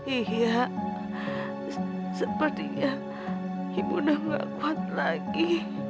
iya sepertinya ibu udah gak kuat lagi